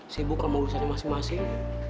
sibuk sama urusannya masing masing